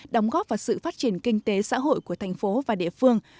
đóng góp vào sự phát triển kinh tế xã hội của thành phố và địa phương